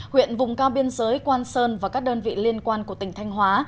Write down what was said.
huyện vùng cao biên giới quan sơn và các đơn vị liên quan của tỉnh thanh hóa